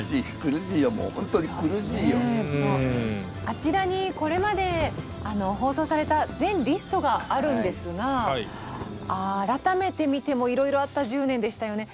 あちらにこれまで放送された全リストがあるんですが改めて見てもいろいろあった１０年でしたよね。